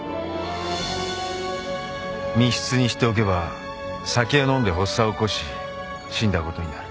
密室にしておけば酒を飲んで発作を起こし死んだことになる。